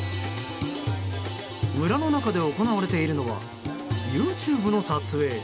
村の中で行われているのはＹｏｕＴｕｂｅの撮影。